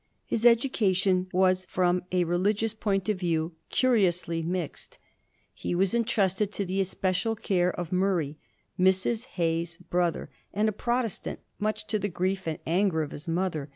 His education was, from a religious point of view, cu riously mixed. He was intrusted to the especial care of Murray, Mrs. Hay's brother, and a Protestant, much to the grief and anger of his mother.